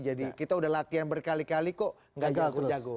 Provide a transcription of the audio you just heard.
jadi kita sudah latihan berkali kali kok gak jago jago